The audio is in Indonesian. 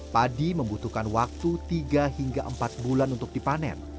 padi membutuhkan waktu tiga hingga empat bulan untuk dipanen